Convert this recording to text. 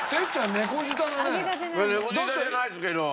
猫舌じゃないですけど。